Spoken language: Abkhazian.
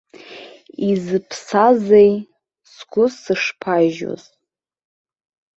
Изыԥсазеи сгәы сышԥажьоз!